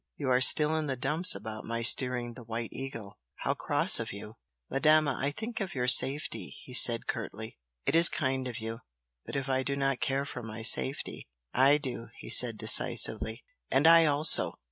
You are still in the dumps about my steering the 'White Eagle!' how cross of you!" "Madama, I think of your safety," he said, curtly. "It is kind of you! But if I do not care for my safety?" "I do!" he said, decisively. "And I also!"